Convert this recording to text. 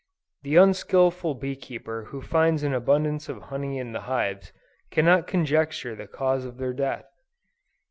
The unskilfull bee keeper who finds an abundance of honey in the hives, cannot conjecture the cause of their death.